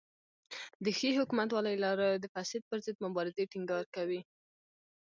د ښې حکومتولۍ له لارې د فساد پر ضد مبارزې ټینګار کوي.